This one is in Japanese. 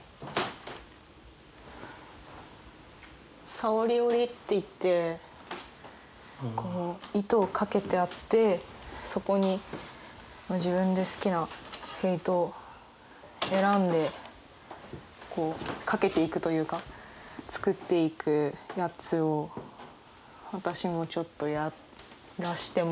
「さをり織り」っていって糸をかけてあってそこに自分で好きな毛糸を選んでかけていくというか作っていくやつを私もちょっとやらせてもらったり。